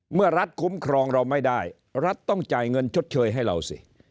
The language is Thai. เมื่อรัฐคุ้มครองเราไม่ได้รัฐต้องจ่ายเงินชดเชยให้เราสิ